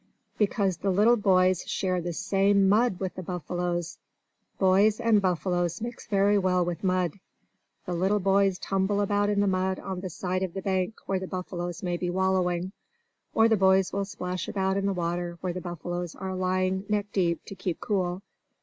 Because the little boys share the same mud with the buffaloes! Boys and buffaloes mix very well with mud! The little boys tumble about in the mud on the side of the bank where the buffaloes may be wallowing. Or the boys will splash about in the water where the buffaloes are lying neck deep to keep cool.